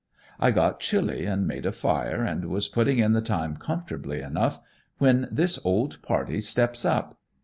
I got chilly and made a fire, and was putting in the time comfortably enough, when this old party steps up.